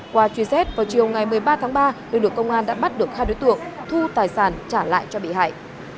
qua truy xét vào chiều ngày một mươi ba tháng ba lực lượng công an đã bắt được hai đối tượng thu tài sản trả lại cho bị hại